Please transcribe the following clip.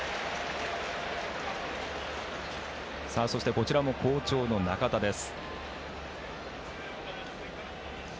こちらも好調の中田です。